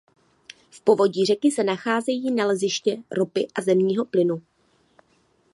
V povodí řeky se nacházejí naleziště ropy a zemního plynu.